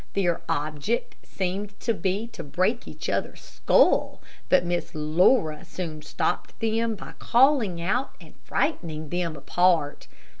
Their object seemed to be to break each other's skull; but Miss Laura soon stopped them by calling out and frightening them apart.